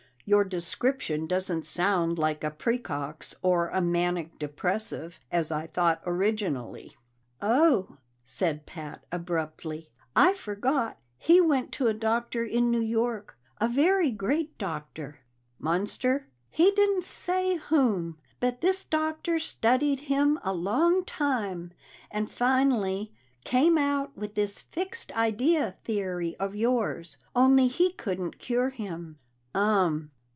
Your description doesn't sound like a praecox or a manic depressive, as I thought originally." "Oh," said Pat abruptly. "I forgot. He went to a doctor in New York, a very great doctor." "Muenster?" "He didn't say whom. But this doctor studied him a long time, and finally came out with this fixed idea theory of yours. Only he couldn't cure him." "Um."